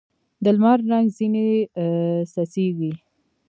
د لمر رنګ ځیني څڅېږي